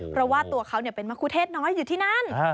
เพราะว่าตัวเขาเป็นมะคุเทศน้อยอยู่ที่นั่น